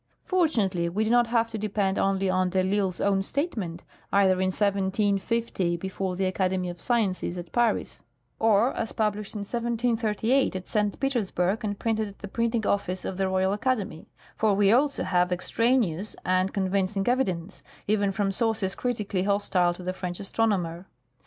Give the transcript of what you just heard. Fortunately we do not have to depend only on de I'Isle's own statement, either in 1750 before the Academy of Sciences at Paris, or as published in 1738 at St. Petersburg and printed at the printing office of the Royal Academy ; for we also have ex traneous and convincing evidence, even from sources critically hostile to the French astronomer.